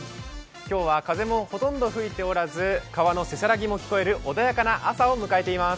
今日は風もほとんど吹いておらず川のせせらぎが聞こえる穏やかです。